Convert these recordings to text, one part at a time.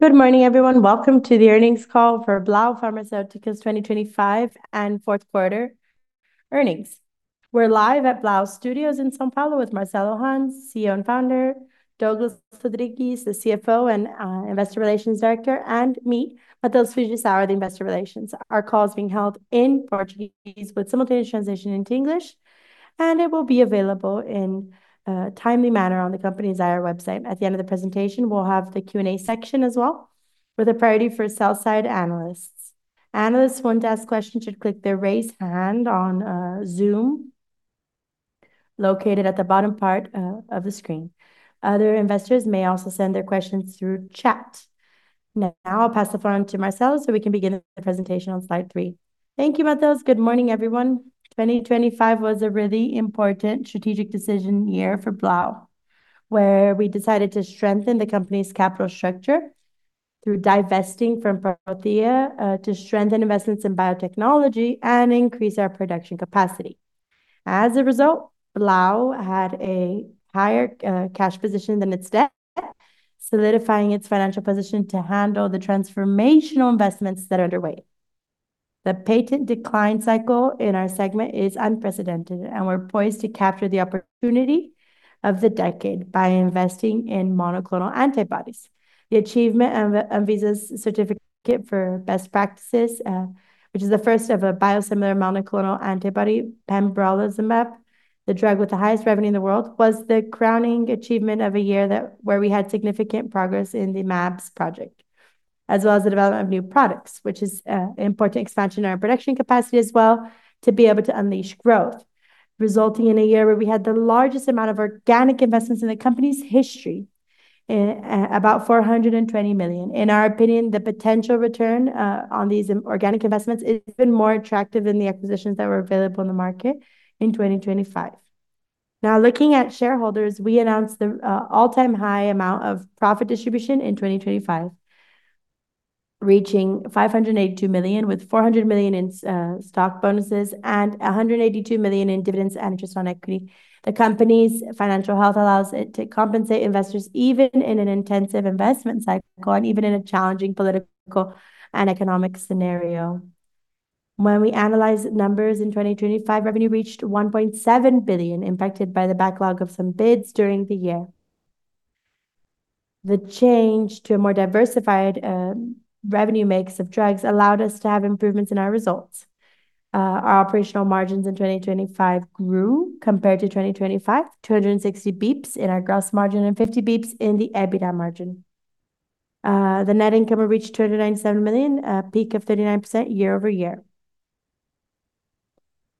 Good morning, everyone. Welcome to the earnings call for Blau Farmacêutica's 2025 and fourth quarter earnings. We're live at Blau Studios in São Paulo with Marcelo Hahn, CEO and Founder, Douglas Rodrigues, the CFO and Investor Relations Director, and me, Matheus Fujisawa, the Investor Relations. Our call is being held in Portuguese with simultaneous translation into English, and it will be available in a timely manner on the company's IR website. At the end of the presentation, we'll have the Q&A section as well with a priority for sell-side analysts. Analysts who want to ask questions should click the Raise Hand on Zoom, located at the bottom part of the screen. Other investors may also send their questions through chat. Now, I'll pass the floor on to Marcelo so we can begin the presentation on slide three. Thank you, Matheus. Good morning, everyone. 2025 was a really important strategic decision year for Blau, where we decided to strengthen the company's capital structure through divesting from Prothya to strengthen investments in biotechnology and increase our production capacity. As a result, Blau had a higher cash position than its debt, solidifying its financial position to handle the transformational investments that are underway. The patent decline cycle in our segment is unprecedented, and we're poised to capture the opportunity of the decade by investing in monoclonal antibodies. The achievement of Anvisa's certificate for best practices, which is the first ever biosimilar monoclonal antibody, pembrolizumab, the drug with the highest revenue in the world, was the crowning achievement of a year where we had significant progress in the mAb project, as well as the development of new products, which is important expansion in our production capacity as well to be able to unleash growth, resulting in a year where we had the largest amount of organic investments in the company's history, about 420 million. In our opinion, the potential return on these organic investments is even more attractive than the acquisitions that were available in the market in 2025. Now looking at shareholders, we announced the all-time high amount of profit distribution in 2025, reaching 582 million, with 400 million in stock bonuses and 182 million in dividends and interest on equity. The company's financial health allows it to compensate investors even in an intensive investment cycle and even in a challenging political and economic scenario. When we analyze numbers in 2025, revenue reached 1.7 billion, impacted by the backlog of some bids during the year. The change to a more diversified revenue mix of drugs allowed us to have improvements in our results. Our operational margins in 2025 grew compared to 2025, 260 basis points in our gross margin and 50 basis points in the EBITDA margin. The net income reached 297 million, a peak of 39% year-over-year.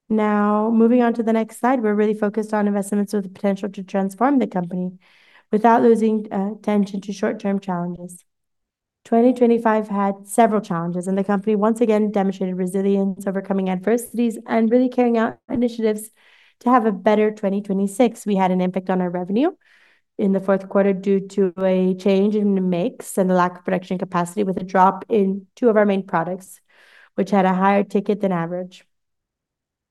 Now, moving on to the next slide. We're really focused on investments with the potential to transform the company without losing attention to short-term challenges. 2025 had several challenges, and the company once again demonstrated resilience, overcoming adversities and really carrying out initiatives to have a better 2026. We had an impact on our revenue in the fourth quarter due to a change in the mix and the lack of production capacity with a drop in two of our main products, which had a higher ticket than average.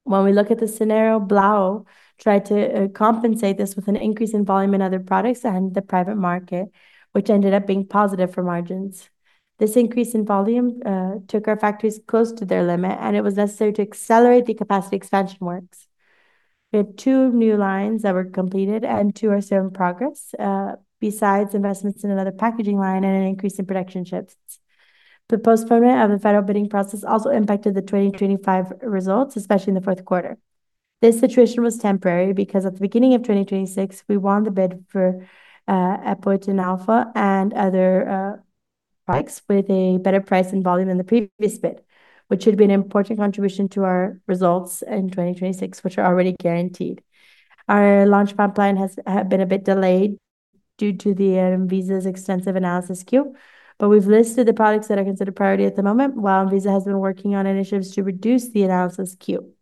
When we look at the scenario, Blau tried to compensate this with an increase in volume in other products and the private market, which ended up being positive for margins. This increase in volume took our factories close to their limit, and it was necessary to accelerate the capacity expansion works. We have two new lines that were completed and two are still in progress, besides investments in another packaging line and an increase in production shifts. The postponement of the federal bidding process also impacted the 2025 results, especially in the fourth quarter. This situation was temporary because at the beginning of 2026, we won the bid for Epoetin alfa and other products with a better price and volume than the previous bid, which should be an important contribution to our results in 2026, which are already guaranteed. Our launch pipeline has been a bit delayed due to Anvisa's extensive analysis queue, but we've listed the products that are considered priority at the moment while Anvisa has been working on initiatives to reduce the analysis queue.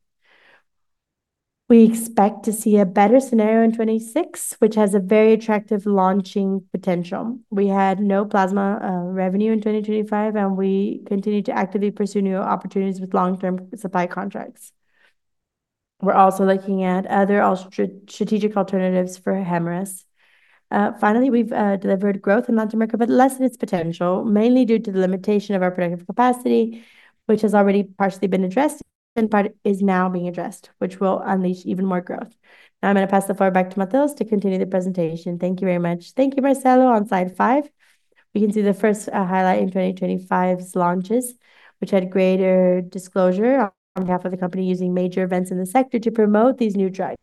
We expect to see a better scenario in 2026, which has a very attractive launching potential. We had no Plasma revenue in 2025, and we continue to actively pursue new opportunities with long-term supply contracts. We're also looking at other strategic alternatives for Hemarus. Finally, we've delivered growth in Latin America, but less than its potential, mainly due to the limitation of our productive capacity, which has already partially been addressed and part is now being addressed, which will unleash even more growth. Now I'm going to pass the floor back to Matheus to continue the presentation. Thank you very much. Thank you, Marcelo. On slide five, we can see the first highlight in 2025's launches, which had greater disclosure on behalf of the company using major events in the sector to promote these new drugs.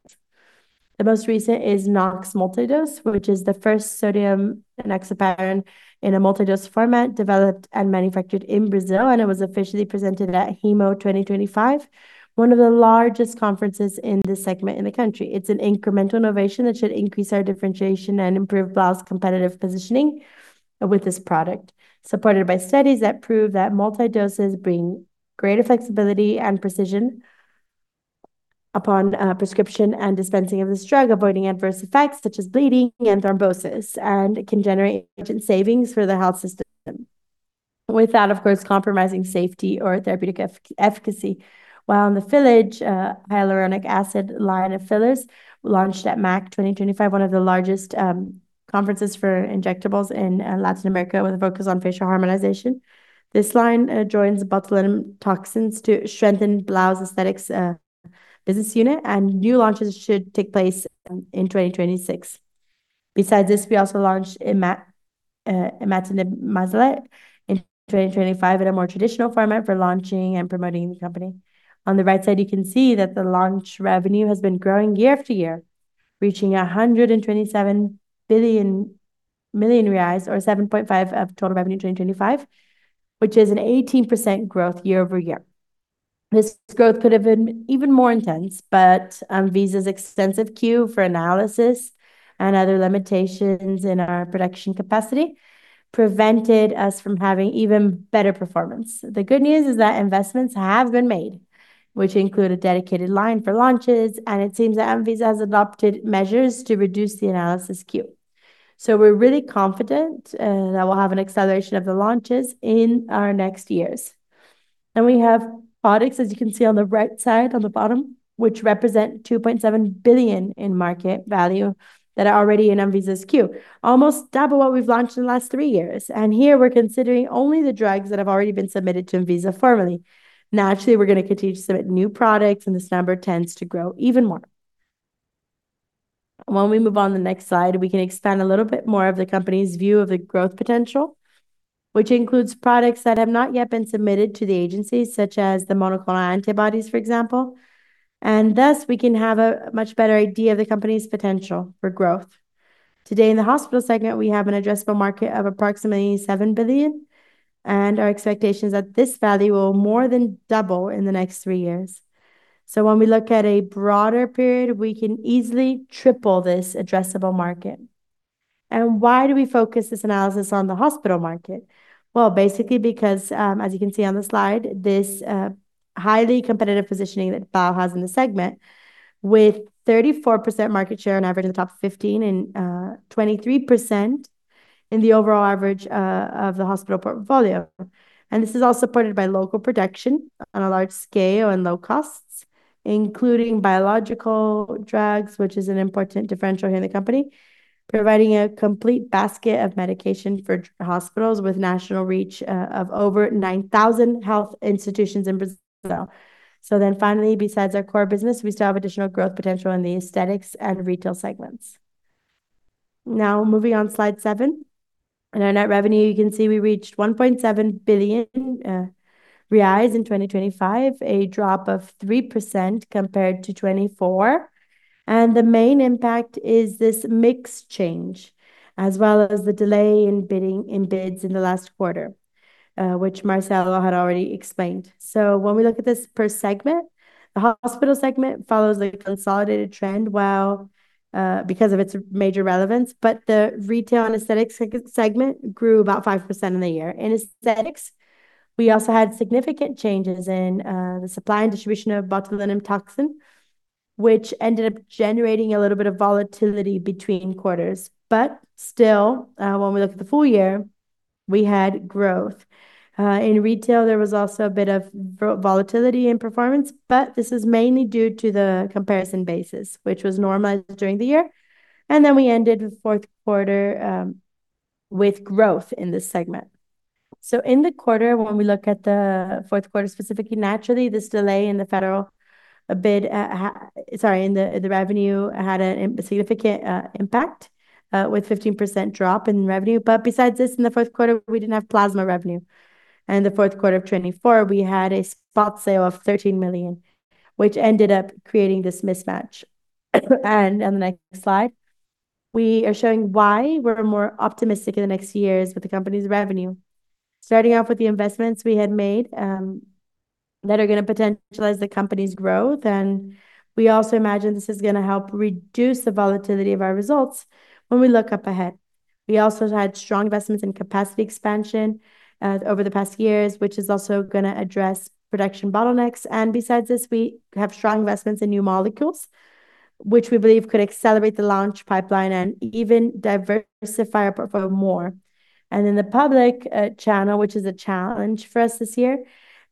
The most recent is Nox Multidose, which is the first sodium enoxaparin in a multidose format developed and manufactured in Brazil, and it was officially presented at HEMO 2025, one of the largest conferences in this segment in the country. It's an incremental innovation that should increase our differentiation and improve Blau's competitive positioning with this product, supported by studies that prove that multidoses bring greater flexibility and precision upon prescription and dispensing of this drug, avoiding adverse effects such as bleeding and thrombosis, and it can generate great savings for the health system. Without, of course, compromising safety or therapeutic efficacy. Invelle hyaluronic acid line of fillers launched at AMWC 2025, one of the largest conferences for injectables in Latin America with a focus on facial harmonization. This line joins botulinum toxins to strengthen Blau's Aesthetics business unit, and new launches should take place in 2026. Besides this, we also launched in Imatinib Mesylate in 2025 in a more traditional format for launching and promoting the company. On the right side, you can see that the launch revenue has been growing year after year, reaching 127 million reais, or 7.5% of total revenue in 2025, which is an 18% growth year-over-year. This growth could have been even more intense, but Anvisa's extensive queue for analysis and other limitations in our production capacity prevented us from having even better performance. The good news is that investments have been made, which include a dedicated line for launches, and it seems that Anvisa has adopted measures to reduce the analysis queue. We're really confident that we'll have an acceleration of the launches in our next years. We have products, as you can see on the right side on the bottom, which represent 2.7 billion in market value that are already in Anvisa's queue, almost double what we've launched in the last three years. Here we're considering only the drugs that have already been submitted to Anvisa formally. Naturally, we're gonna continue to submit new products, and this number tends to grow even more. When we move on to the next slide, we can expand a little bit more of the company's view of the growth potential, which includes products that have not yet been submitted to the agencies, such as the monoclonal antibodies, for example. Thus, we can have a much better idea of the company's potential for growth. Today in the Hospital segment, we have an addressable market of approximately 7 billion, and our expectation is that this value will more than double in the next three years. When we look at a broader period, we can easily triple this addressable market. Why do we focus this analysis on the Hospital market? Well, basically because as you can see on the slide, this highly competitive positioning that Blau has in the segment with 34% market share on average in the top 15% and 23% in the overall average of the Hospital portfolio. This is all supported by local production on a large scale and low costs, including biological drugs, which is an important differential here in the company, providing a complete basket of medication for hospitals with national reach of over 9,000 health institutions in Brazil. Finally, besides our core business, we still have additional growth potential in the Aesthetics and Retail segments. Now, moving on slide seven. In our net revenue, you can see we reached 1.7 billion reais in 2025, a drop of 3% compared to 2024. The main impact is this mix change, as well as the delay in bids in the last quarter, which Marcelo had already explained. When we look at this per segment, the Hospital segment follows the consolidated trend, while because of its major relevance. The Retail and Aesthetics segment grew about 5% in the year. In Aesthetics, we also had significant changes in the supply and distribution of botulinum toxin, which ended up generating a little bit of volatility between quarters. When we look at the full year, we had growth. In Retail, there was also a bit of volatility in performance, but this is mainly due to the comparison basis, which was normalized during the year. We ended the fourth quarter with growth in this segment. In the quarter, when we look at the fourth quarter specifically, naturally, this delay in the federal bid, the revenue had a significant impact with 15% drop in revenue. Besides this, in the fourth quarter, we didn't have Plasma revenue. In the fourth quarter of 2024, we had a spot sale of 13 million, which ended up creating this mismatch. On the next slide, we are showing why we're more optimistic in the next years with the company's revenue. Starting off with the investments we had made, that are gonna potentialize the company's growth. We also imagine this is gonna help reduce the volatility of our results when we look ahead. We also had strong investments in capacity expansion over the past years, which is also gonna address production bottlenecks. Besides this, we have strong investments in new molecules, which we believe could accelerate the launch pipeline and even diversify our portfolio more. In the public channel, which is a challenge for us this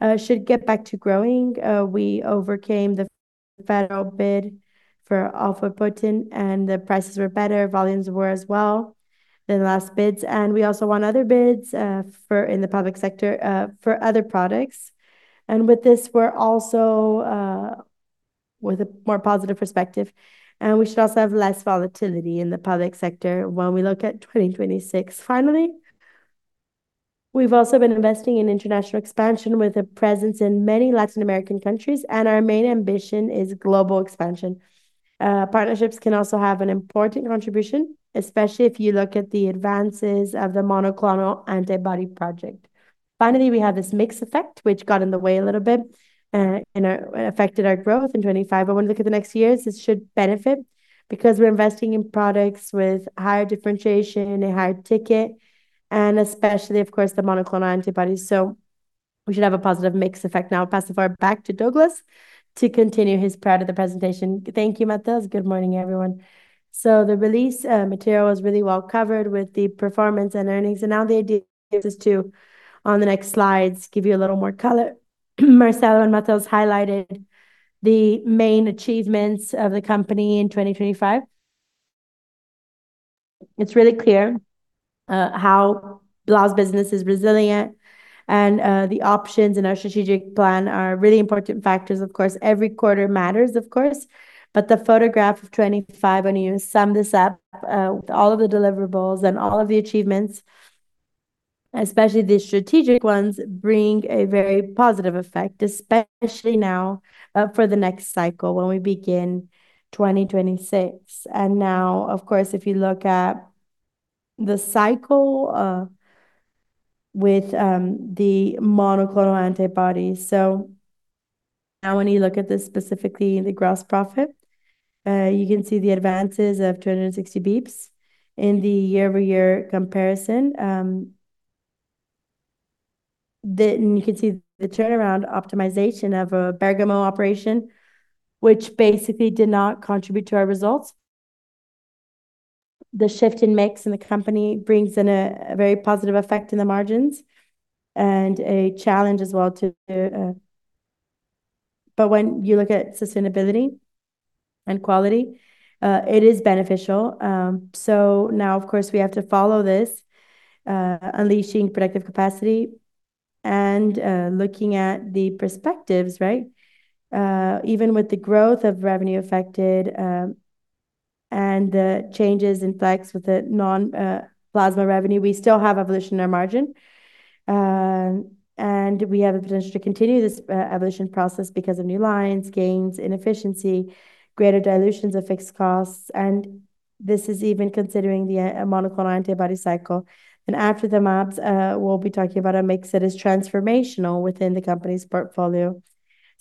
year, should get back to growing. We overcame the federal bid for Alfaepoetina, and the prices were better, volumes were as well as than the last bids. We also won other bids in the public sector for other products. With this, we're also with a more positive perspective, and we should also have less volatility in the public sector when we look at 2026. Finally, we've also been investing in international expansion with a presence in many Latin American countries, and our main ambition is global expansion. Partnerships can also have an important contribution, especially if you look at the advances of the monoclonal antibody project. Finally, we have this mix effect, which got in the way a little bit and affected our growth in 25. When we look at the next years, this should benefit because we're investing in products with higher differentiation, a higher ticket, and especially of course, the monoclonal antibodies. We should have a positive mix effect. Now I'll pass the floor back to Douglas to continue his part of the presentation. Thank you, Matheus. Good morning, everyone. The release material was really well covered with the performance and earnings, and now the idea is to, on the next slides, give you a little more color. Marcelo and Matheus highlighted the main achievements of the company in 2025. It's really clear how Blau's business is resilient and the options in our strategic plan are really important factors. Of course, every quarter matters, of course, but the snapshot of 25, when you sum this up with all of the deliverables and all of the achievements, especially the strategic ones, bring a very positive effect, especially now for the next cycle when we begin 2026. Now, of course, if you look at the cycle with the monoclonal antibodies. Now when you look at this specifically, the gross profit, you can see the advances of 260 basis points in the year-over-year comparison. Then you can see the turnaround optimization of a Bergamo operation, which basically did not contribute to our results. The shift in mix in the company brings in a very positive effect in the margins and a challenge as well to. When you look at sustainability and quality, it is beneficial. Now, of course, we have to follow this unleashing productive capacity and looking at the perspectives, right? Even with the growth of revenue affected, and the changes in mix with the non-plasma revenue, we still have evolution in our margin. We have the potential to continue this evolution process because of new lines, gains in efficiency, greater dilutions of fixed costs, and this is even considering the monoclonal antibody cycle. After the mAbs, we'll be talking about a mix that is transformational within the company's portfolio.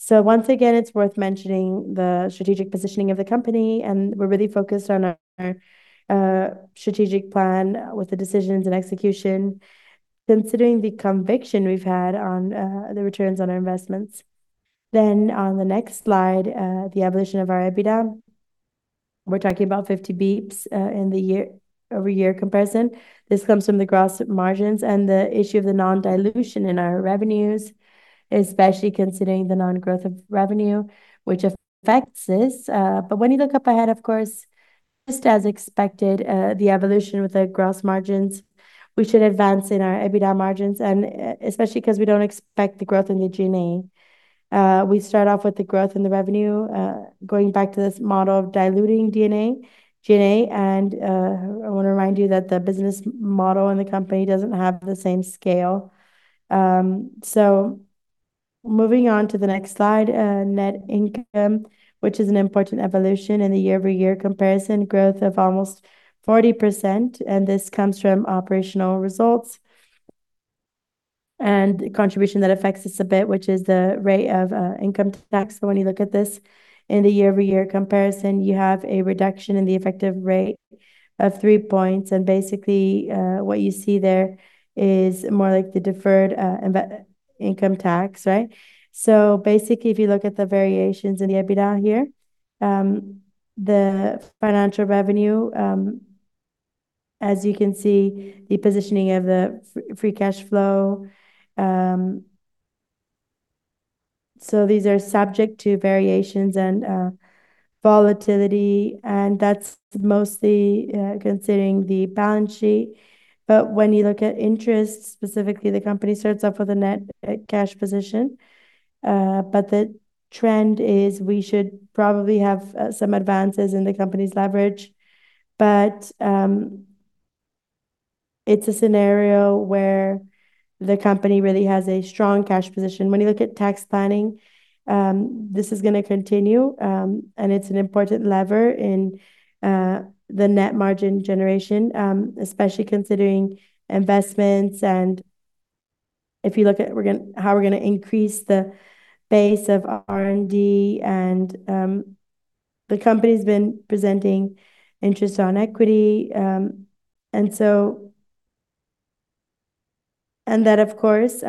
Once again, it's worth mentioning the strategic positioning of the company, and we're really focused on our strategic plan with the decisions and execution, considering the conviction we've had on the returns on our investments. On the next slide, the evolution of our EBITDA. We're talking about 50 basis points in the year-over-year comparison. This comes from the gross margins and the issue of the non-dilution in our revenues, especially considering the non-growth of revenue, which affects this. When you look up ahead, of course, just as expected, the evolution with the gross margins, we should advance in our EBITDA margins, and especially 'cause we don't expect the growth in the G&A. We start off with the growth in the revenue, going back to this model of diluting D&A, G&A, and I wanna remind you that the business model in the company doesn't have the same scale. Moving on to the next slide, net income, which is an important evolution in the year-over-year comparison, growth of almost 40%, and this comes from operational results and contribution that affects us a bit, which is the rate of income tax. When you look at this in the year-over-year comparison, you have a reduction in the effective rate of three points, and basically, what you see there is more like the deferred income tax, right? Basically, if you look at the variations in the EBITDA here, the financial revenue, as you can see, the positioning of the free cash flow. These are subject to variations and volatility, and that's mostly considering the balance sheet. When you look at interest, specifically, the company starts off with a net cash position. The trend is we should probably have some advances in the company's leverage. It's a scenario where the company really has a strong cash position. When you look at tax planning, this is gonna continue, and it's an important lever in the net margin generation, especially considering investments. If you look at how we're gonna increase the base of R&D, and the company's been presenting interest on equity. That, of course,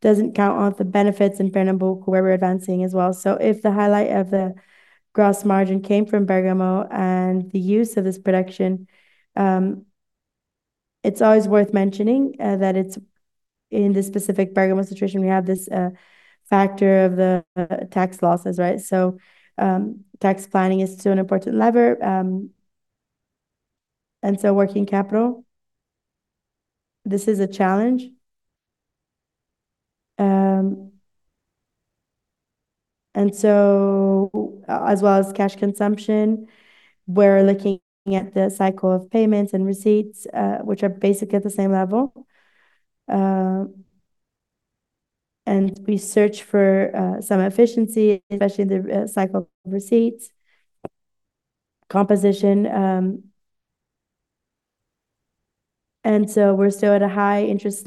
doesn't count on the benefits in Pernambuco where we're advancing as well. If the highlight of the gross margin came from Bergamo and the use of this production, it's always worth mentioning that in the specific Bergamo situation we have this factor of the tax losses, right? Tax planning is still an important lever. Working capital, this is a challenge. As well as cash consumption, we're looking at the cycle of payments and receipts, which are basically at the same level. We search for some efficiency, especially in the cycle of receipts composition. We're still at a high interest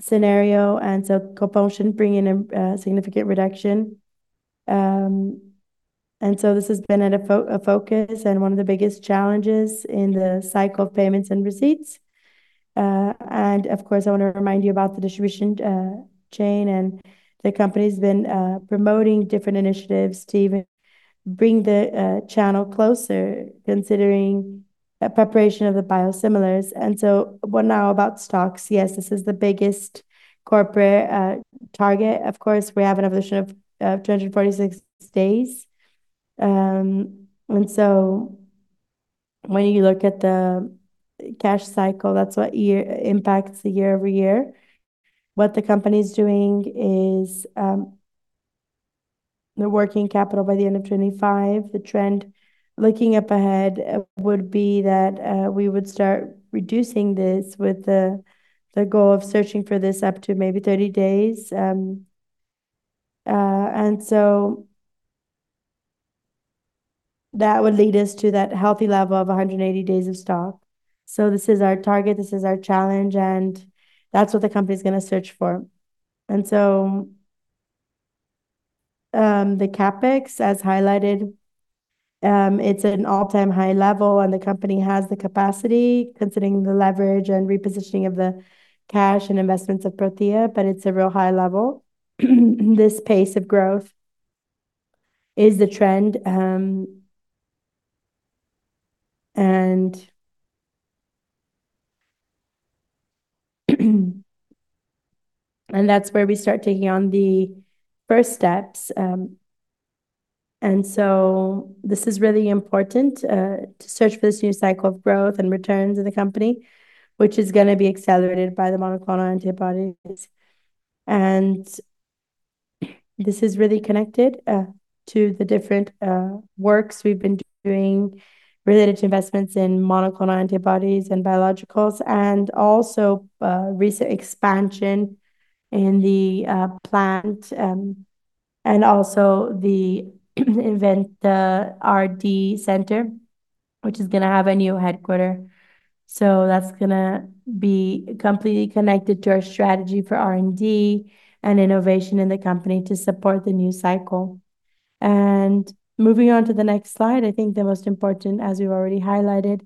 scenario, and so the pension bringing a significant reduction. This has been a focus and one of the biggest challenges in the cycle of payments and receipts. Of course, I want to remind you about the distribution chain, and the company's been promoting different initiatives to even bring the channel closer considering a preparation of the biosimilars. What now about stocks? Yes, this is the biggest corporate target. Of course, we have an evolution of 246 days. When you look at the cash cycle, that's what impacts the year-over-year. What the company's doing is the working capital by the end of 2025. The trend looking up ahead would be that we would start reducing this with the goal of shortening this to maybe 30 days. That would lead us to that healthy level of 180 days of stock. This is our target, this is our challenge, and that's what the company's going to search for. The CapEx, as highlighted, it's at an all-time high level, and the company has the capacity considering the leverage and repositioning of the cash and investments of Prothya, but it's a real high level. This pace of growth is the trend, and that's where we start taking on the first steps. This is really important to search for this new cycle of growth and returns in the company, which is going to be accelerated by the monoclonal antibodies. This is really connected to the different works we've been doing related to investments in monoclonal antibodies and biologicals, and also recent expansion in the plant, and also the Inventa R&D Center, which is going to have a new headquarters. That's going to be completely connected to our strategy for R&D and innovation in the company to support the new cycle. Moving on to the next slide, I think the most important, as we've already highlighted,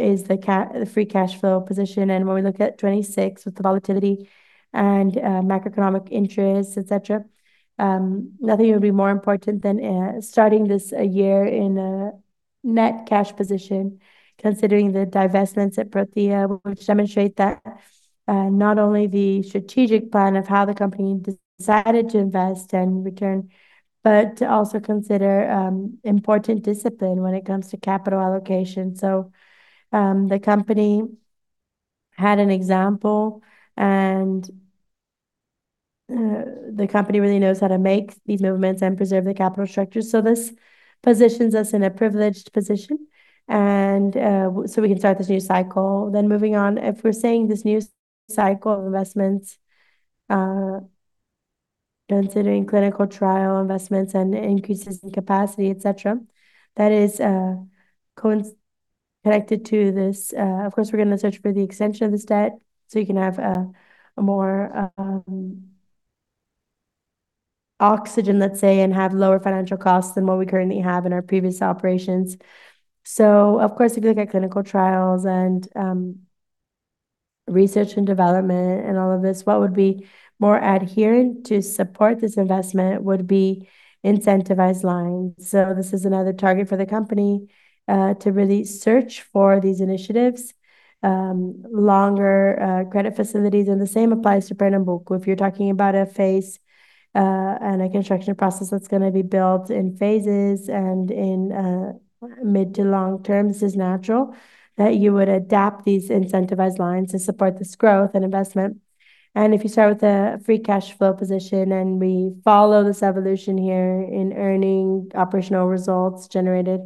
is the free cash flow position. When we look at 26 with the volatility and macroeconomic interest, etc., nothing would be more important than starting this year in a net cash position, considering the divestments at Prothya, which demonstrate that not only the strategic plan of how the company decided to invest and return, but to also consider important discipline when it comes to capital allocation. The company had an example, and the company really knows how to make these movements and preserve the capital structure. This positions us in a privileged position. We can start this new cycle. Moving on. If we're saying this new cycle of investments, considering clinical trial investments and increases in capacity, etc., that is connected to this. Of course, we're going to search for the extension of this debt, so you can have more oxygen, let's say, and have lower financial costs than what we currently have in our previous operations. If you look at clinical trials and research and development and all of this, what would be more adherent to support this investment would be incentivized lines. This is another target for the company to really search for these initiatives, longer credit facilities. The same applies to Pernambuco. If you're talking about a phase and a construction process that's going to be built in phases and in mid to long-term, this is natural that you would adapt these incentivized lines to support this growth and investment. If you start with a free cash flow position and we follow this evolution here in earning operational results generated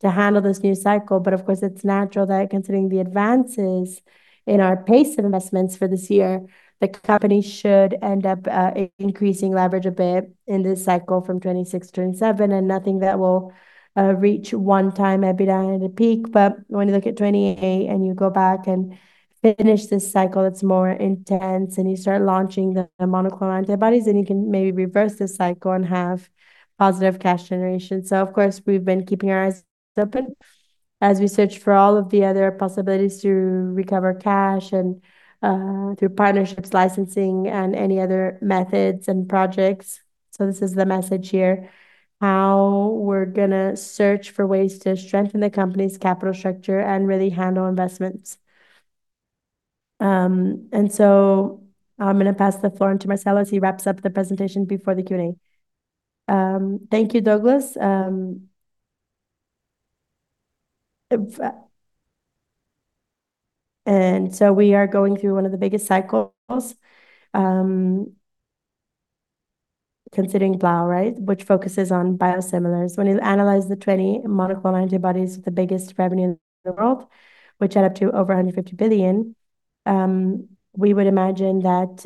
to handle this new cycle. Of course, it's natural that considering the advances in our pace of investments for this year, the company should end up increasing leverage a bit in this cycle from 2026 to 2027, and nothing that will reach 1x EBITDA at a peak. When you look at 2028 and you go back and finish this cycle that's more intense, and you start launching the monoclonal antibodies, then you can maybe reverse this cycle and have positive cash generation. Of course, we've been keeping our eyes open as we search for all of the other possibilities to recover cash and through partnerships, licensing, and any other methods and projects. This is the message here, how we're going to search for ways to strengthen the company's capital structure and really handle investments. I'm going to pass the floor on to Marcelo as he wraps up the presentation before the Q&A. Thank you, Douglas. We are going through one of the biggest cycles considering Blau, right, which focuses on biosimilars. When you analyze the 20 monoclonal antibodies with the biggest revenue in the world, which add up to over $150 billion, we would imagine that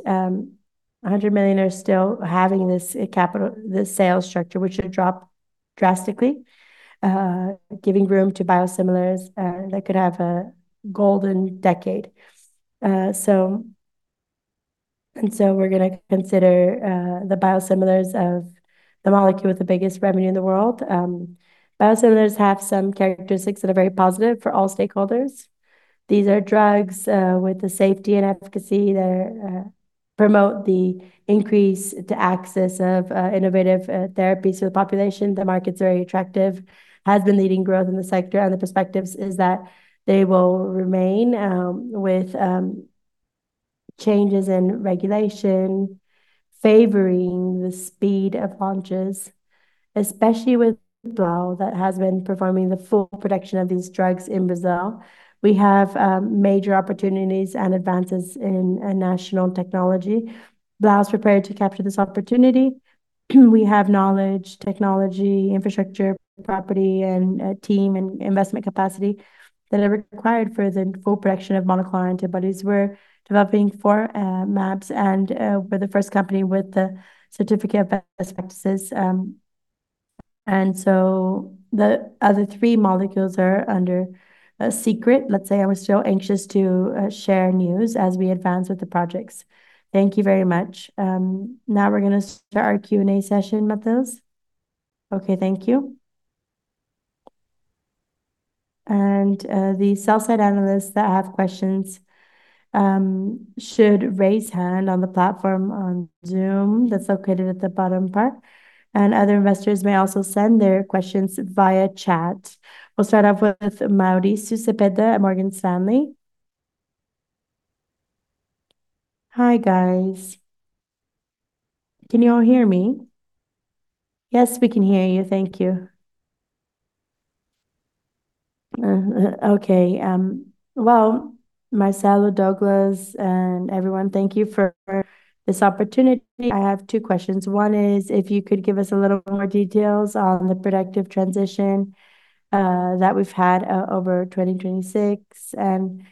$100 billion are still having this capital, this sales structure, which should drop drastically, giving room to biosimilars that could have a golden decade. We're gonna consider the biosimilars of the molecule with the biggest revenue in the world. Biosimilars have some characteristics that are very positive for all stakeholders. These are drugs with the safety and efficacy that promote increased access to innovative therapies to the population. The market's very attractive, has been leading growth in the sector and the perspectives is that they will remain with changes in regulation favoring the speed of launches, especially with Blau that has been performing the full production of these drugs in Brazil. We have major opportunities and advances in national technology. Blau is prepared to capture this opportunity. We have knowledge, technology, infrastructure, property, and a team and investment capacity that are required for the full production of monoclonal antibodies. We're developing four MAbs, and we're the first company with the certificate of best practices. The other three molecules are under secret, let's say. I was so anxious to share news as we advance with the projects. Thank you very much. Now we're gonna start our Q&A session, Matheus. Okay, thank you. The sell-side analysts that have questions should raise hand on the platform on Zoom that's located at the bottom part, and other investors may also send their questions via chat. We'll start off with Mauricio Cepeda at Morgan Stanley. Hi, guys. Can you all hear me? Yes, we can hear you. Thank you. Okay. Well, Marcelo, Douglas, and everyone, thank you for this opportunity. I have two questions. One is if you could give us a little more details on the production transition that we've had over 2026, and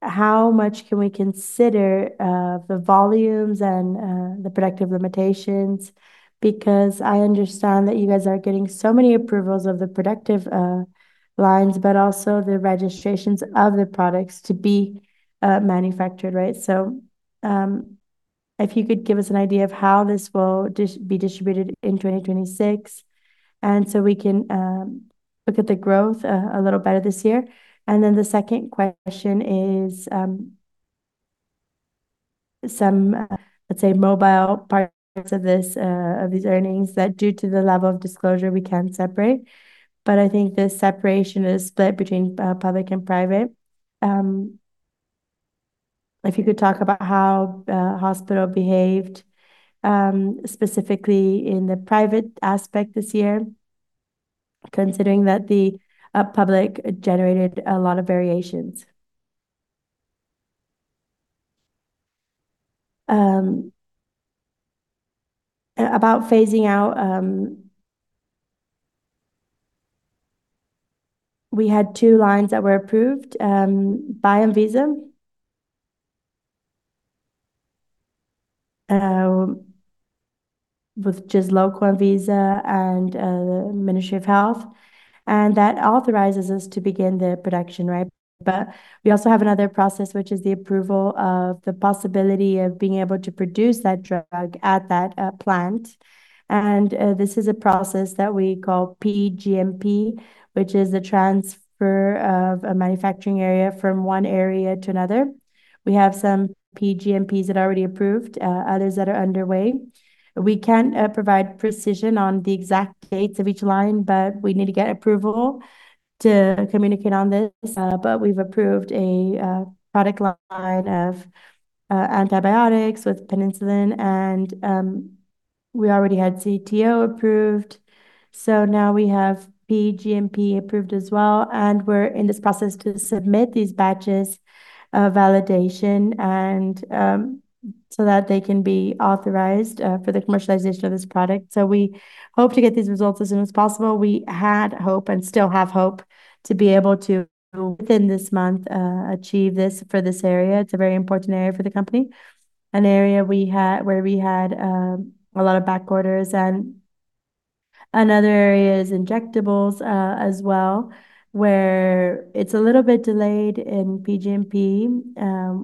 how much can we consider the volumes and the production limitations? Because I understand that you guys are getting so many approvals of the production lines, but also the registrations of the products to be manufactured, right? If you could give us an idea of how this will be distributed in 2026, and so we can look at the growth a little better this year. The second question is some let's say, movable parts of these earnings that due to the level of disclosure we can separate, but I think the separation is split between public and private. If you could talk about how Hospital behaved, specifically in the private aspect this year, considering that the public generated a lot of variations. About phasing out, we had two lines that were approved by Anvisa with just local Anvisa and the Ministry of Health, and that authorizes us to begin the production, right? But we also have another process, which is the approval of the possibility of being able to produce that drug at that plant, and this is a process that we call PGMP, which is the transfer of a manufacturing area from one area to another. We have some PGMP that are already approved, others that are underway. We can provide precision on the exact dates of each line, but we need to get approval to communicate on this. We've approved a product line of antibiotics with penicillin and we already had CTO approved, so now we have PGMP approved as well, and we're in this process to submit these batches of validation and so that they can be authorized for the commercialization of this product. We hope to get these results as soon as possible. We had hope and still have hope to be able to, within this month, achieve this for this area. It's a very important area for the company, an area where we had a lot of back orders. Another area is injectables as well, where it's a little bit delayed in PGMP,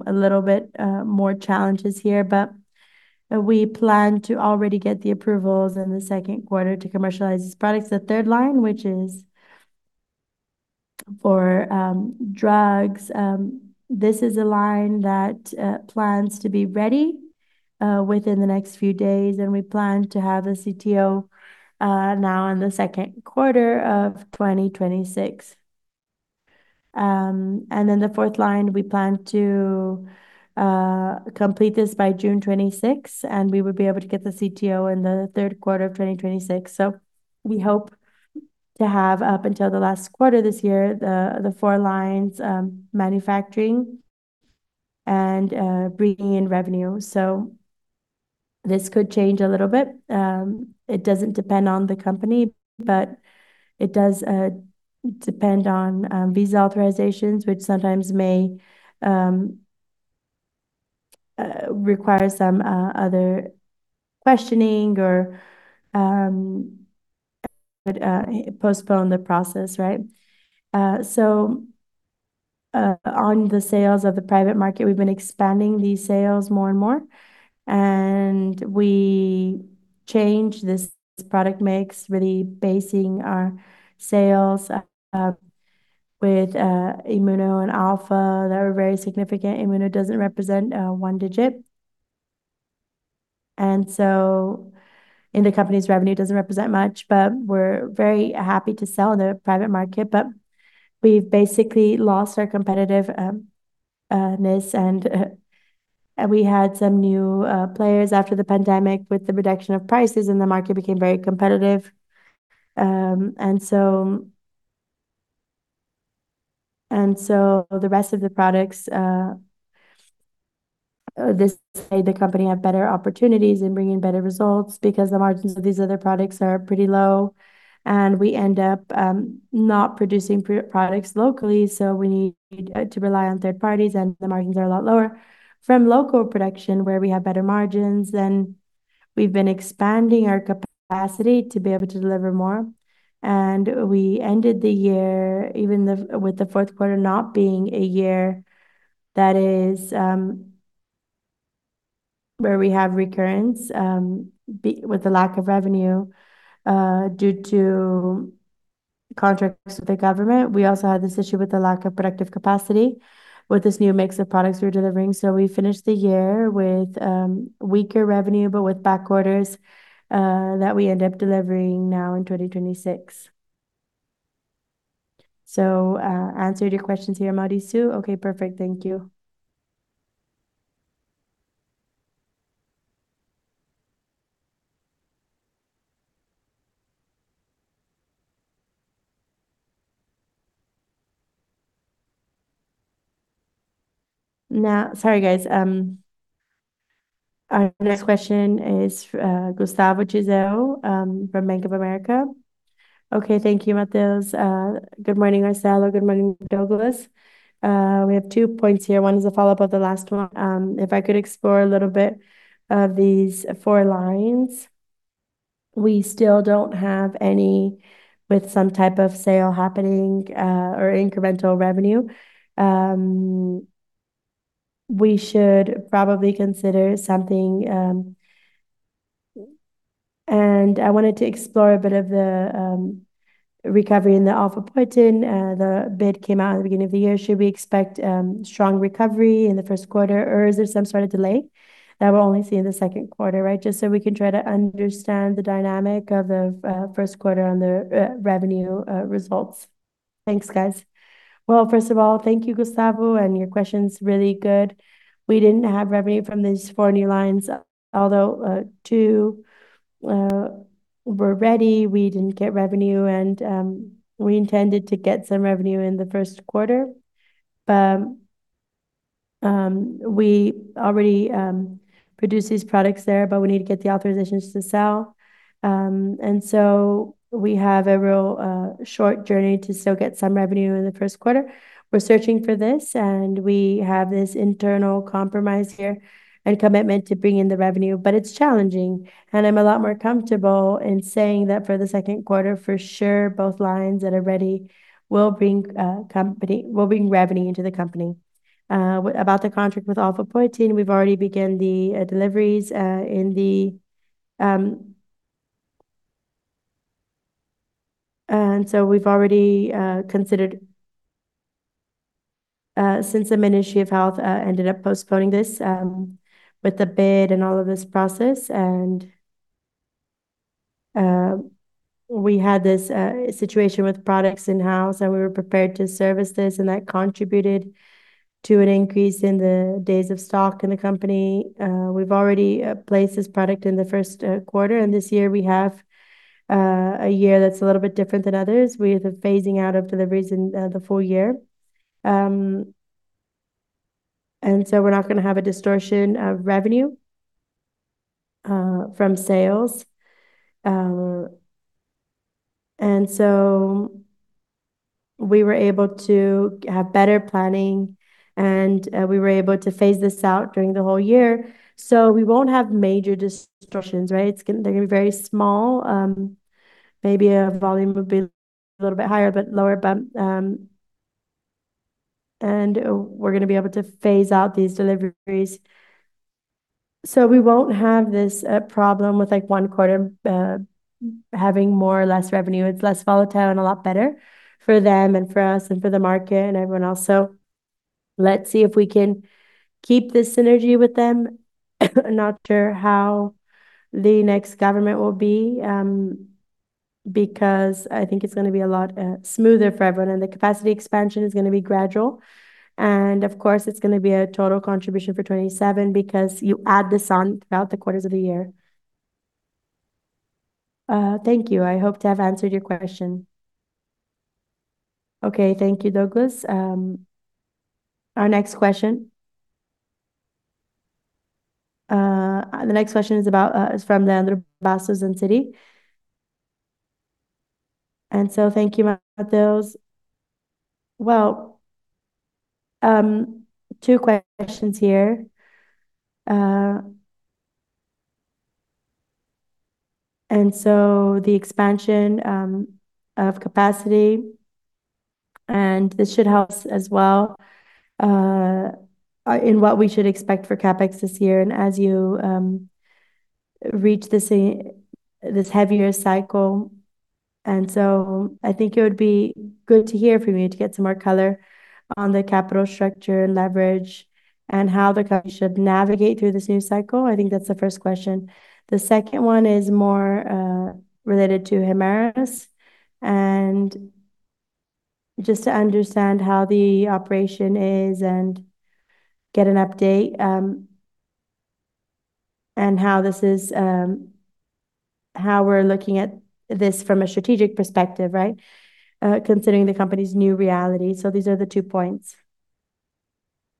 a little bit more challenges here, but we plan to already get the approvals in the second quarter to commercialize these products. The third line, which is for drugs, this is a line that plans to be ready within the next few days, and we plan to have a CTO now in the second quarter of 2026. Then the fourth line, we plan to complete this by June 2026, and we will be able to get the CTO in the third quarter of 2026. We hope to have up until the last quarter this year the four lines manufacturing and bringing in revenue. This could change a little bit. It doesn't depend on the company, but it does depend on visa authorizations, which sometimes may require some other questioning or postpone the process, right? On sales in the private market, we've been expanding these sales more and more, and we changed this product mix, really basing our sales with Immuno and Alpha that were very significant. Immuno doesn't represent one digit in the company's revenue and doesn't represent much, but we're very happy to sell in the private market. We've basically lost our competitive advantage, and we had some new players after the pandemic with the reduction of prices, and the market became very competitive. The rest of the products, this made the company have better opportunities in bringing better results because the margins of these other products are pretty low, and we end up not producing products locally, so we need to rely on third parties, and the margins are a lot lower. From local production where we have better margins, then we've been expanding our capacity to be able to deliver more. We ended the year even with the fourth quarter not being a year that is where we have recurrence with the lack of revenue due to contracts with the government. We also had this issue with the lack of productive capacity with this new mix of products we're delivering. We finished the year with weaker revenue, but with back orders that we end up delivering now in 2026. Answered your questions here, Mauricio Cepeda. Okay, perfect. Thank you. Now, sorry, guys, our next question is Gustavo Gissoni from Bank of America. Okay, thank you, Matheus. Good morning, Marcelo. Good morning, Douglas. We have two points here. One is a follow-up of the last one. If I could explore a little bit of these four lines. We still don't have any with some type of sale happening or incremental revenue. We should probably consider something. I wanted to explore a bit of the recovery in the Alfaepoetina. The bid came out at the beginning of the year. Should we expect strong recovery in the first quarter, or is there some sort of delay that we're only seeing the second quarter, right? Just so we can try to understand the dynamic of the first quarter on the revenue results. Thanks, guys. Well, first of all, thank you, Gustavo, and your question's really good. We didn't have revenue from these four new lines. Although two were ready, we didn't get revenue, and we intended to get some revenue in the first quarter. We already produced these products there, but we need to get the authorizations to sell. We have a real short journey to still get some revenue in the first quarter. We're searching for this, and we have this internal compromise here and commitment to bringing the revenue, but it's challenging. I'm a lot more comfortable in saying that for the second quarter for sure, both lines that are ready will bring revenue into the company. About the contract with Alfaepoetina, we've already begun the deliveries. We've already considered since the Ministry of Health ended up postponing this with the bid and all of this process, and we had this situation with products in-house, and we were prepared to service this, and that contributed to an increase in the days of stock in the company. We've already placed this product in the first quarter, and this year we have a year that's a little bit different than others. We have the phasing out of deliveries in the full year. We're not gonna have a distortion of revenue from sales. We were able to have better planning, and we were able to phase this out during the whole year. We won't have major distortions, right? They're gonna be very small. Maybe our volume will be a little bit higher but lower, but, and we're gonna be able to phase out these deliveries. We won't have this problem with like one quarter having more or less revenue. It's less volatile and a lot better for them and for us and for the market and everyone else. Let's see if we can keep this synergy with them. Not sure how the next government will be, because I think it's gonna be a lot smoother for everyone, and the capacity expansion is gonna be gradual. Of course, it's gonna be a total contribution for 2027 because you add this on throughout the quarters of the year. Thank you. I hope to have answered your question. Okay, thank you, Douglas. Our next question. The next question is from Leandro Bastos in Citi. Thank you, Matheus. Well, two questions here. The expansion of capacity and the warehouse as well, in what we should expect for CapEx this year and as you reach this heavier cycle. I think it would be good to hear from you to get some more color on the capital structure and leverage and how the company should navigate through this new cycle. I think that's the first question. The second one is more related to Hemarus, and just to understand how the operation is and get an update, and how this is, how we're looking at this from a strategic perspective, right? Considering the company's new reality. These are the two points.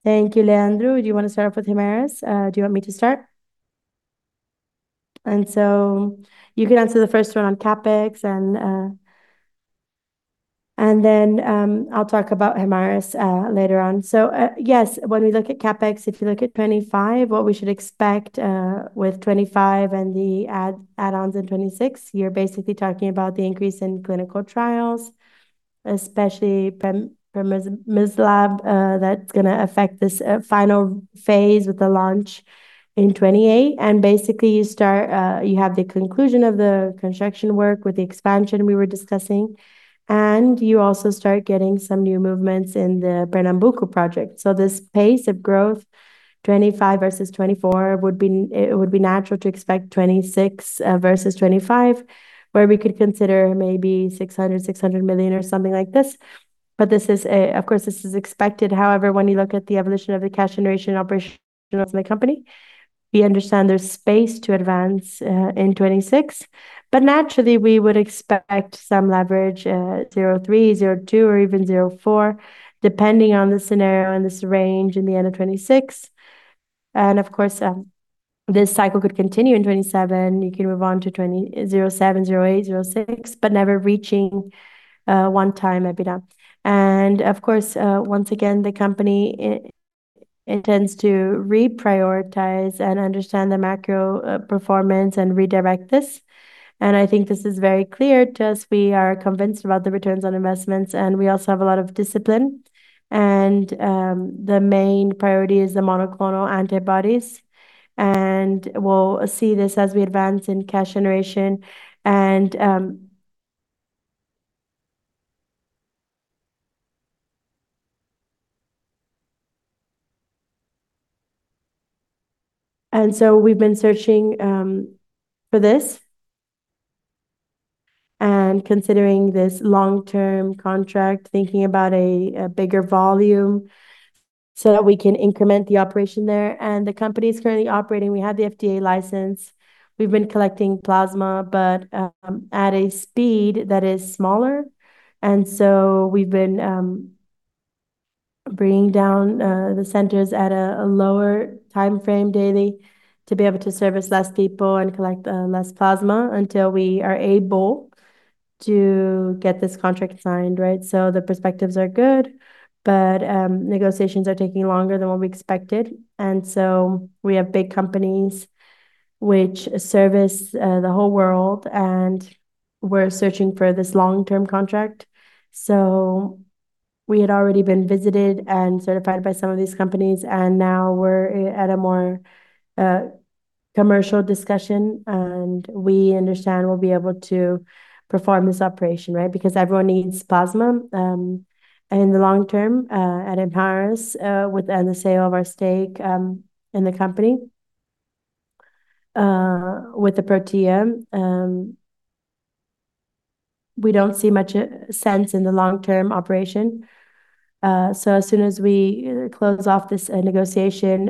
Thank you. Leandro, do you want to start off with Hemarus? Do you want me to start? You can answer the first one on CapEx, and then I'll talk about Hemarus later on. Yes, when we look at CapEx, if you look at 2025, what we should expect with 2025 and the add-ons in 2026, you're basically talking about the increase in clinical trials, especially pembrolizumab. That's gonna affect this final phase with the launch in 2028. You start you have the conclusion of the construction work with the expansion we were discussing, and you also start getting some new movements in the Pernambuco project. This pace of growth, 2025 versus 2024 would be natural to expect 2026 versus 2025, where we could consider maybe 600 million or something like this. This is, of course, expected. However, when you look at the evolution of the cash generation operation of the company, we understand there's space to advance in 2026. Naturally, we would expect some leverage 0.3, 0.2, or even 0.4, depending on the scenario and this range in the end of 2026. Of course, this cycle could continue in 2027. You can move on to 0.7x, 0.8x, 0.6x, but never reaching 1x EBITDA. Of course, once again, the company intends to reprioritize and understand the macro performance and redirect this. I think this is very clear to us. We are convinced about the returns on investments, and we also have a lot of discipline. The main priority is the monoclonal antibodies, and we'll see this as we advance in cash generation. We've been searching for this and considering this long-term contract, thinking about a bigger volume so that we can increment the operation there. The company is currently operating. We have the FDA license. We've been collecting plasma, but at a speed that is smaller. We've been bringing down the centers at a lower timeframe daily to be able to service less people and collect less plasma until we are able to get this contract signed, right? The perspectives are good, but negotiations are taking longer than what we expected. We have big companies which service the whole world, and we're searching for this long-term contract. We had already been visited and certified by some of these companies, and now we're at a more commercial discussion, and we understand we'll be able to perform this operation, right? Because everyone needs plasma, in the long term, at Hemarus, with the sale of our stake in the company. With Prothya, we don't see much sense in the long-term operation. As soon as we close off this negotiation,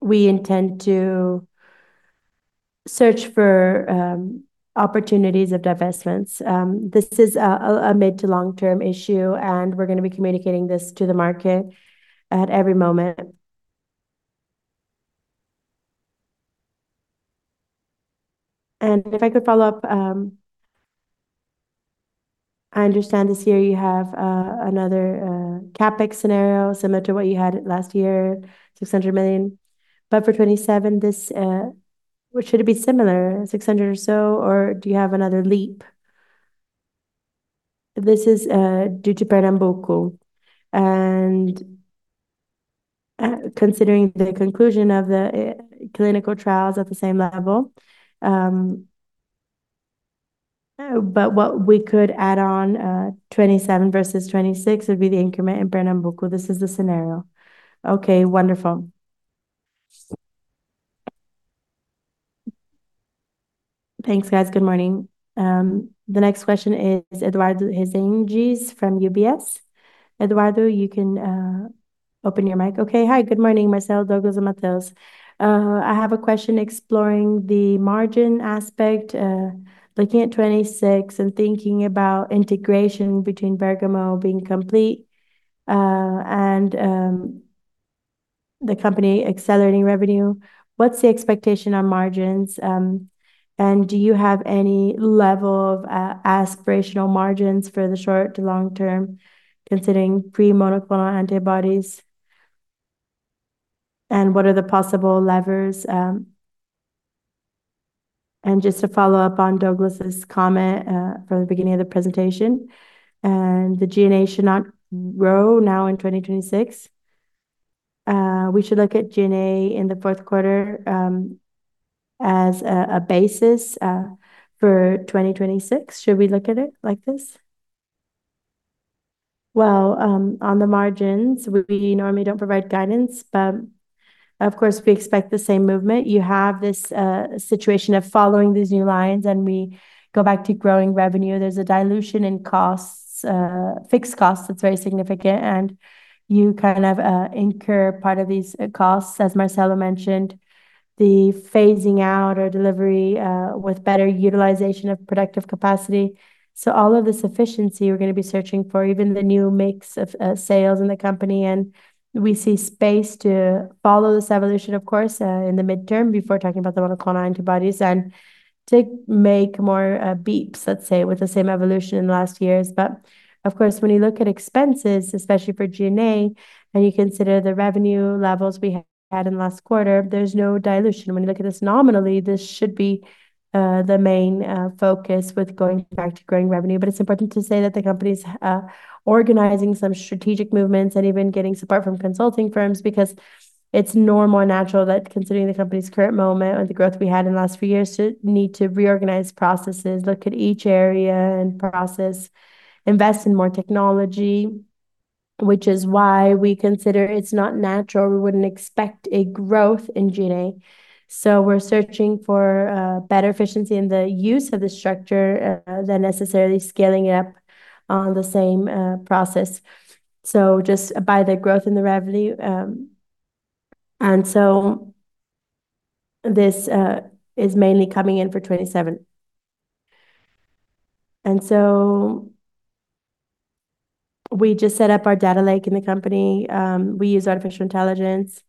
we intend to search for opportunities of divestments. This is a mid to long-term issue, and we're gonna be communicating this to the market at every moment. If I could follow up, I understand this year you have another CapEx scenario similar to what you had last year, 600 million. For 2027, should it be similar, 600 million or so, or do you have another leap? This is due to Pernambuco and considering the conclusion of the clinical trials at the same level. What we could add on, 27 versus 26 would be the increment in Pernambuco. This is the scenario. Okay, wonderful. Thanks, guys. Good morning. The next question is Eduardo Resende from UBS. Eduardo, you can open your mic. Okay. Hi, good morning, Marcelo, Douglas, and Matheus. I have a question exploring the margin aspect, looking at 2026 and thinking about integration between Bergamo being complete, and the company accelerating revenue. What's the expectation on margins? Do you have any level of aspirational margins for the short to long term considering pre-monoclonal antibodies? What are the possible levers? Just to follow up on Douglas's comment from the beginning of the presentation, the G&A should not grow now in 2026. We should look at G&A in the fourth quarter as a basis for 2026. Should we look at it like this? Well, on the margins, we normally don't provide guidance, but of course, we expect the same movement. You have this situation of following these new lines, and we go back to growing revenue. There's a dilution in costs, fixed costs that's very significant, and you kind of incur part of these costs. As Marcelo mentioned, the phasing out or delivery with better utilization of productive capacity. All of this efficiency we're gonna be searching for, even the new mix of sales in the company, and we see space to follow this evolution, of course, in the midterm before talking about the monoclonal antibodies and to make more bps, let's say, with the same evolution in the last years. Of course, when you look at expenses, especially for G&A, and you consider the revenue levels we had in the last quarter, there's no dilution. When you look at this nominally, this should be the main focus with going back to growing revenue. It's important to say that the company's organizing some strategic movements and even getting support from consulting firms because it's normal and natural that considering the company's current moment or the growth we had in the last few years to need to reorganize processes, look at each area and process, invest in more technology, which is why we consider it's not natural. We wouldn't expect a growth in G&A. We're searching for better efficiency in the use of the structure than necessarily scaling it up on the same process. Just by the growth in the revenue, and so this is mainly coming in for 2027. We just set up our data lake in the company. We use artificial intelligence,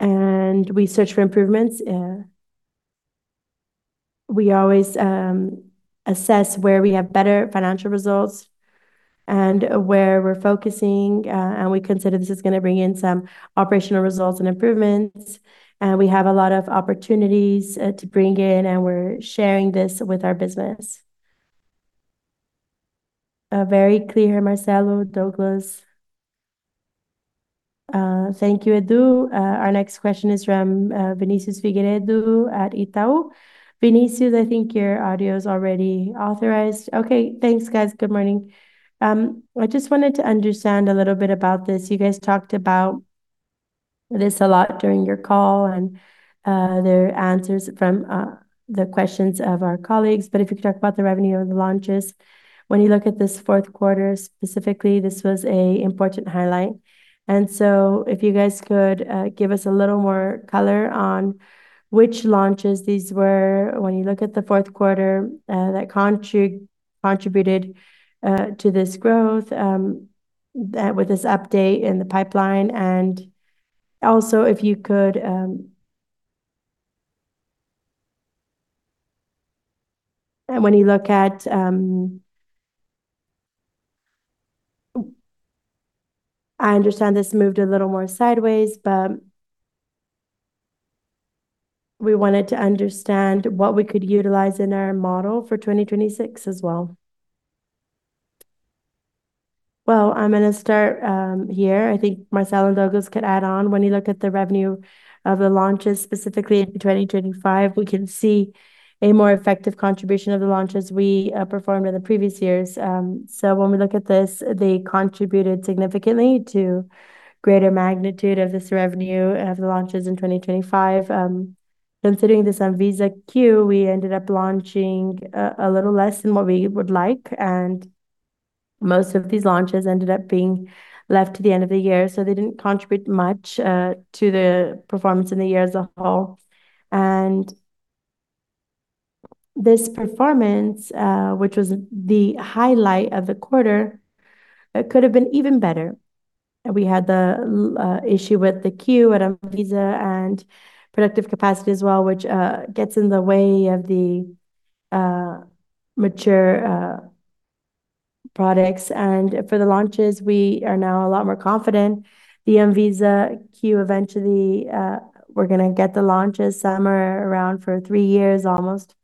and we search for improvements. We always assess where we have better financial results and where we're focusing, and we consider this is gonna bring in some operational results and improvements. We have a lot of opportunities to bring in, and we're sharing this with our business. Very clear, Marcelo, Douglas. Thank you, Edu. Our next question is from Vinicius Figueiredo at Itaú. Vinicius, I think your audio is already authorized. Okay. Thanks, guys. Good morning. I just wanted to understand a little bit about this. You guys talked about this a lot during your call and their answers from the questions of our colleagues. If you could talk about the revenue of the launches. When you look at this fourth quarter specifically, this was a important highlight. If you guys could give us a little more color on which launches these were when you look at the fourth quarter that contributed to this growth, that with this update in the pipeline. If you could when you look at I understand this moved a little more sideways, but we wanted to understand what we could utilize in our model for 2026 as well. Well, I'm gonna start here. I think Marcelo Hahn and Douglas Rodrigues could add on. When you look at the revenue of the launches, specifically in 2025, we can see a more effective contribution of the launches we performed in the previous years. When we look at this, they contributed significantly to greater magnitude of this revenue of the launches in 2025. Considering this Anvisa queue, we ended up launching a little less than what we would like, and most of these launches ended up being left to the end of the year, so they didn't contribute much to the performance in the year as a whole. This performance, which was the highlight of the quarter, could have been even better. We had the issue with the queue at Anvisa and productive capacity as well, which gets in the way of the mature products. For the launches, we are now a lot more confident. The Anvisa queue, we're gonna get the launches. Some are around for three years almost,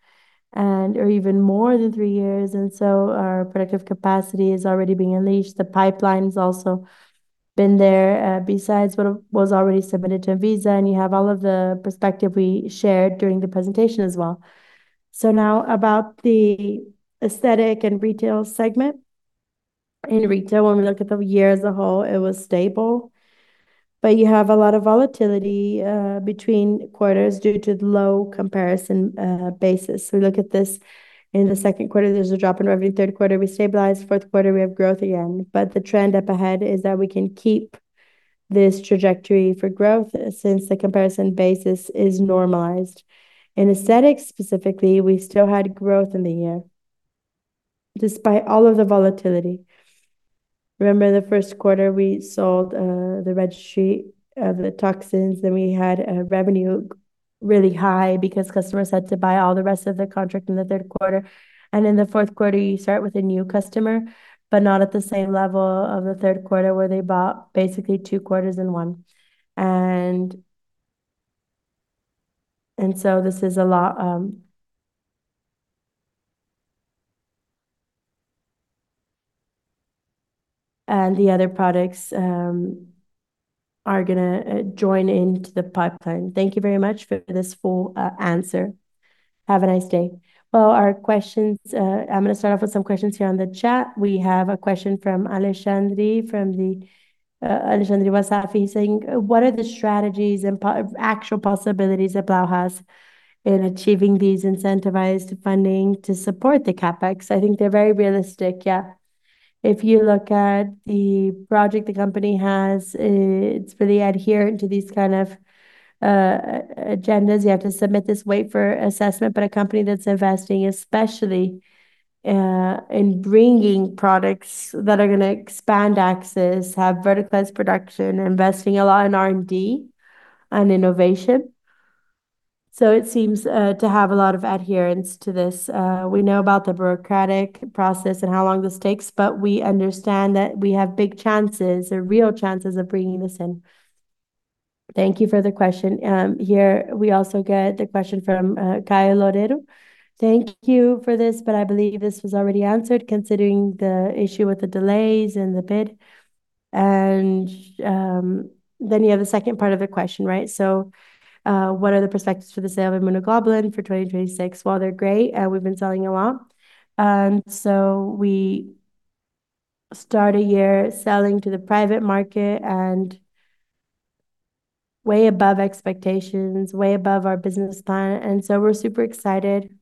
or even more than three years. Our productive capacity is already being unleashed. The pipeline's also been there, besides what was already submitted to Anvisa, and you have all of the perspective we shared during the presentation as well. Now about the Aesthetics and Retail segment. In Retail, when we look at the year as a whole, it was stable, but you have a lot of volatility between quarters due to the low comparison basis. We look at this in the second quarter, there's a drop in revenue. Third quarter, we stabilize. Fourth quarter, we have growth again. The trend up ahead is that we can keep this trajectory for growth since the comparison basis is normalized. In Aesthetics specifically, we still had growth in the year despite all of the volatility. Remember the first quarter we sold the registry of the toxins. We had a revenue really high because customers had to buy all the rest of the contract in the third quarter. In the fourth quarter, you start with a new customer, but not at the same level of the third quarter where they bought basically two quarters in one. This is a lot. The other products are gonna join into the pipeline. Thank you very much for this full answer. Have a nice day. Well, our questions. I'm gonna start off with some questions here on the chat. We have a question from Alexandre Vasarfi saying, "What are the strategies and actual possibilities that Blau has in achieving these incentivized funding to support the CapEx?" I think they're very realistic, yeah. If you look at the project the company has, it's really adherent to these kind of agendas. You have to submit this, wait for assessment, but a company that's investing, especially, in bringing products that are gonna expand access, have verticalized production, investing a lot in R&D and innovation. So it seems to have a lot of adherence to this. We know about the bureaucratic process and how long this takes, but we understand that we have big chances or real chances of bringing this in. Thank you for the question. Here we also get a question from Caio Loredo. Thank you for this, but I believe this was already answered considering the issue with the delays and the bid. Then you have the second part of the question, right? What are the perspectives for the sale of Immunoglobulin for 2026? Well, they're great, we've been selling a lot. We started the year selling to the private market and way above expectations, way above our business plan, and we're super excited.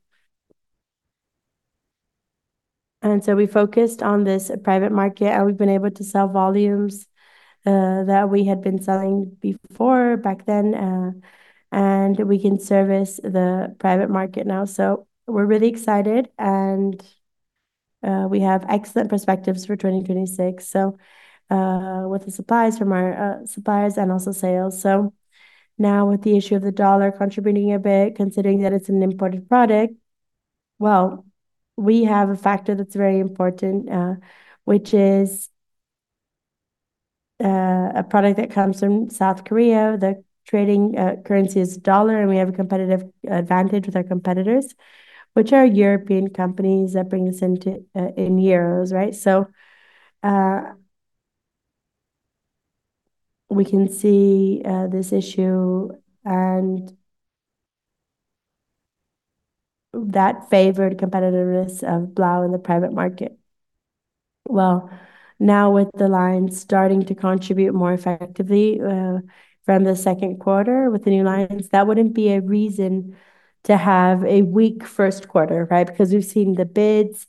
We focused on this private market, and we've been able to sell volumes that we had been selling before back then, and we can service the private market now. We're really excited, and we have excellent perspectives for 2026, with the supplies from our suppliers and also sales. Now with the issue of the dollar contributing a bit, considering that it's an imported product, well, we have a factor that's very important, which is a product that comes from South Korea. The trading currency is US dollar, and we have a competitive advantage with our competitors, which are European companies that bring us in euros, right? We can see this issue and that favored competitiveness of Blau in the private market. Well, now with the lines starting to contribute more effectively from the second quarter with the new lines, that wouldn't be a reason to have a weak first quarter, right? Because we've seen the bids,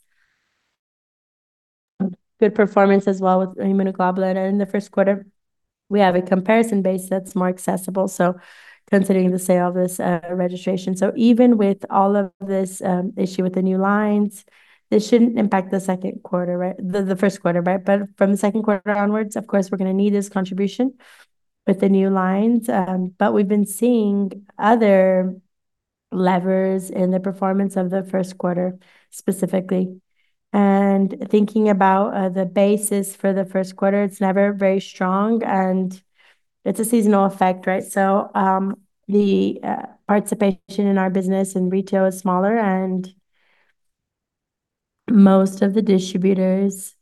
good performance as well with Immunoglobulin in the first quarter. We have a comparison base that's more accessible, so considering the sale of this registration. Even with all of this issue with the new lines, this shouldn't impact the second quarter, right? The first quarter, right. From the second quarter onwards, of course, we're gonna need this contribution with the new lines. We've been seeing other levers in the performance of the first quarter specifically. Thinking about the basis for the first quarter, it's never very strong, and it's a seasonal effect, right? The participation in our business in Retail is smaller, and most of the distributors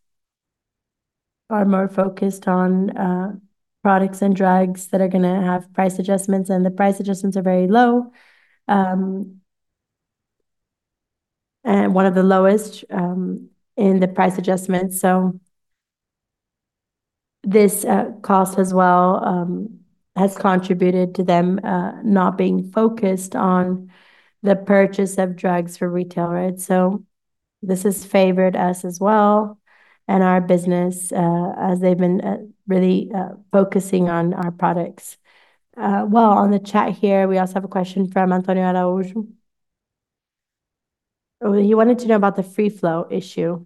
are more focused on products and drugs that are gonna have price adjustments, and the price adjustments are very low, one of the lowest in the price adjustments. This cost as well has contributed to them not being focused on the purchase of drugs for Retail, right? This has favored us as well and our business as they've been really focusing on our products. Well, on the chat here, we also have a question from Antonio Araujo. He wanted to know about the free float issue.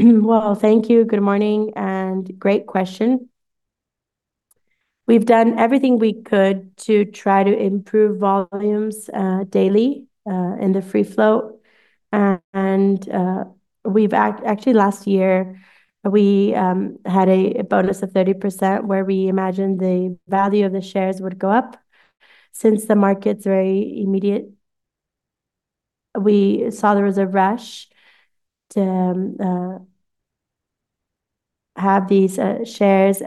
Well, thank you. Good morning, and great question. We've done everything we could to try to improve volumes, daily, in the free float. We've actually last year, we had a bonus of 30% where we imagined the value of the shares would go up since the market's very immediate. We saw there was a rush to have these shares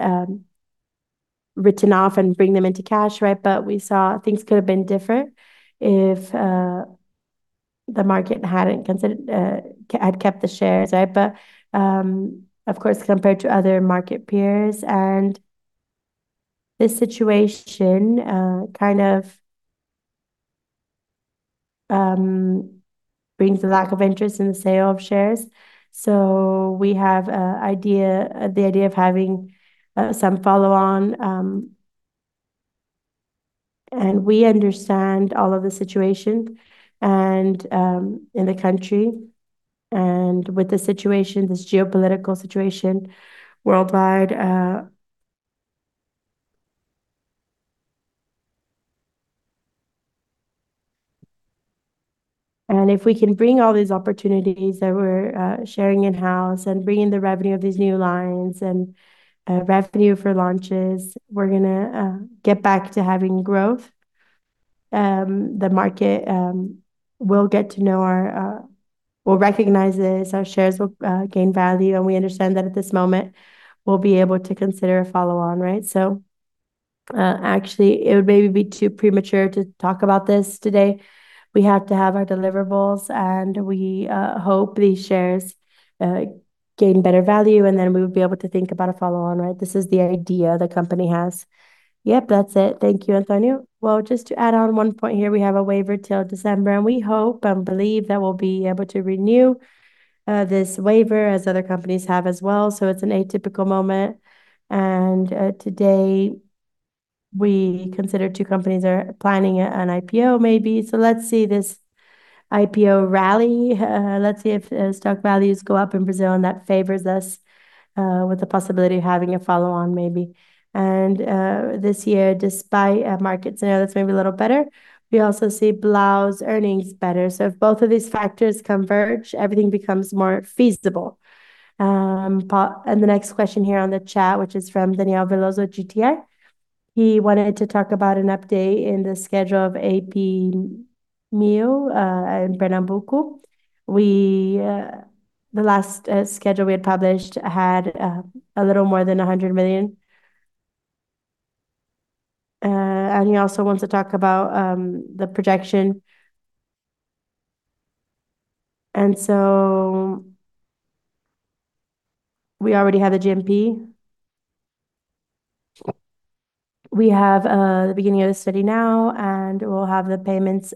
written off and bring them into cash, right? We saw things could have been different if the market had kept the shares, right? Of course, compared to other market peers and this situation kind of brings a lack of interest in the sale of shares. We have an idea, the idea of having some follow-on. We understand all of the situation and in the country and with the situation, this geopolitical situation worldwide. If we can bring all these opportunities that we're sharing in-house, and bring in the revenue of these new lines, and revenue for launches, we're gonna get back to having growth. The market will recognize this, our shares will gain value, and we understand that at this moment we'll be able to consider a follow-on, right? Actually it would maybe be too premature to talk about this today. We have to have our deliverables, and we hope these shares gain better value, and then we would be able to think about a follow-on, right? This is the idea the company has. Yep. That's it. Thank you, Antonio. Well, just to add on one point here, we have a waiver till December, and we hope and believe that we'll be able to renew this waiver as other companies have as well, so it's an atypical moment. Today we consider two companies are planning an IPO maybe. Let's see this IPO rally. Let's see if stock values go up in Brazil, and that favors us with the possibility of having a follow-on maybe. This year, despite a market scenario that's maybe a little better, we also see Blau's earnings better. If both of these factors converge, everything becomes more feasible. The next question here on the chat, which is from Daniel Veloso at GTI. He wanted to talk about an update in the schedule of AMHP in Pernambuco. The last schedule we had published had a little more than 100 million. He also wants to talk about the projection. We already have the GMP. We have the beginning of the study now, and we'll have the payments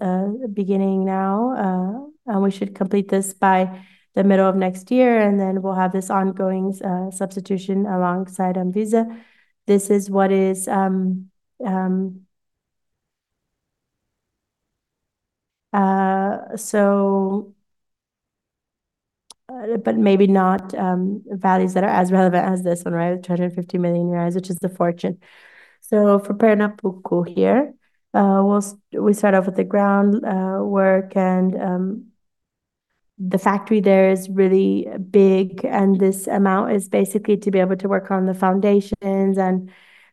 beginning now. We should complete this by the middle of next year, and then we'll have this ongoing substitution alongside Anvisa. This is what is but maybe not values that are as relevant as this one, right? 250 million reais, which is the fortune. For Pernambuco here, we'll start off with the ground work and the factory there is really big, and this amount is basically to be able to work on the foundations and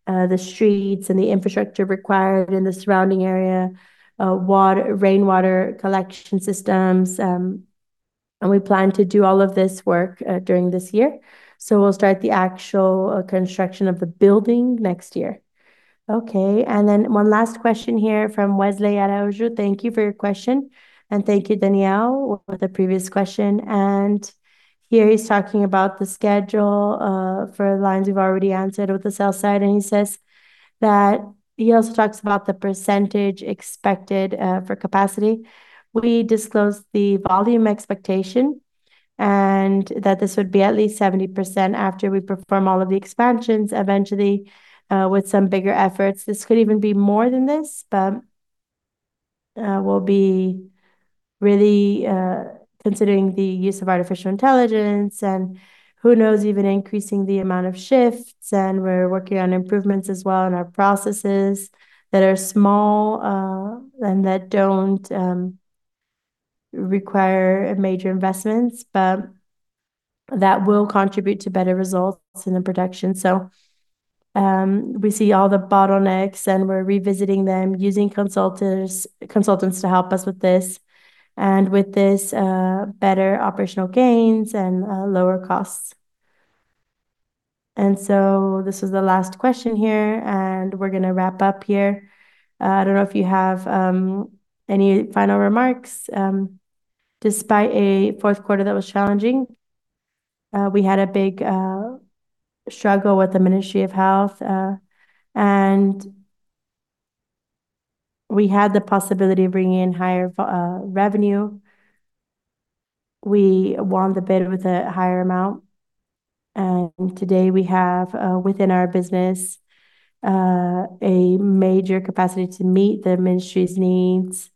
the streets and the infrastructure required in the surrounding area, water, rainwater collection systems. We plan to do all of this work during this year. We'll start the actual construction of the building next year. Okay. Then one last question here from Wesley Araujo. Thank you for your question, and thank you, Daniel Veloso, for the previous question. Here he's talking about the schedule for lines we've already answered with the sales side, and he says that he also talks about the percentage expected for capacity. We disclosed the volume expectation and that this would be at least 70% after we perform all of the expansions. Eventually, with some bigger efforts, this could even be more than this, but, we'll be really, considering the use of artificial intelligence and, who knows, even increasing the amount of shifts. We're working on improvements as well in our processes that are small, and that don't, require major investments, but that will contribute to better results in the production. We see all the bottlenecks, and we're revisiting them using consultants to help us with this. With this, better operational gains and, lower costs. This is the last question here, and we're gonna wrap up here. I don't know if you have, any final remarks. Despite a fourth quarter that was challenging, we had a big struggle with the Ministry of Health. We had the possibility of bringing in higher revenue. We won the bid with a higher amount. Today we have, within our business, a major capacity to meet the ministry's needs.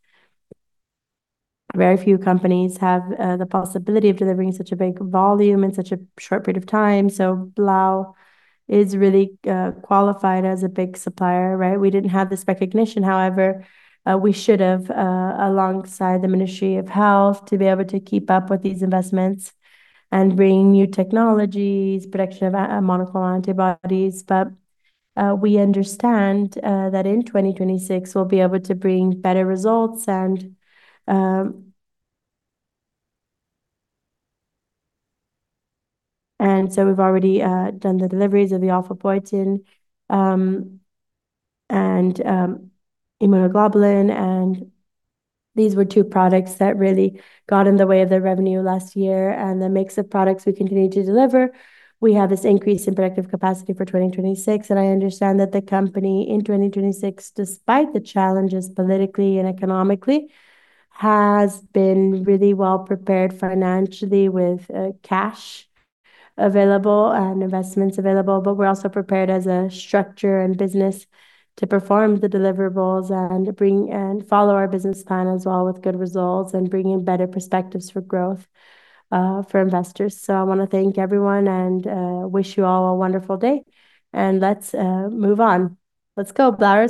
Very few companies have the possibility of delivering such a big volume in such a short period of time, so Blau is really qualified as a big supplier, right? We didn't have this recognition, however, we should have, alongside the Ministry of Health, to be able to keep up with these investments and bring new technologies, production of monoclonal antibodies. We understand that in 2026 we'll be able to bring better results. We've already done the deliveries of the Alfaepoetina and Immunoglobulin, and these were two products that really got in the way of the revenue last year. The mix of products we continue to deliver, we have this increase in productive capacity for 2026. I understand that the company in 2026, despite the challenges politically and economically, has been really well prepared financially with cash available and investments available. We're also prepared as a structure and business to perform the deliverables and follow our business plan as well with good results and bring in better perspectives for growth for investors. I wanna thank everyone and wish you all a wonderful day, and let's move on. Let's go, Blau.